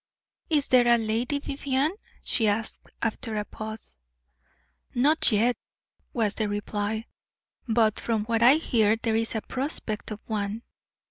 "Is there a Lady Vivianne?" she asked, after a pause. "Not yet," was the reply; "but from what I hear there is a prospect of one."